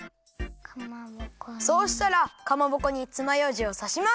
そうしたらかまぼこにつまようじをさします！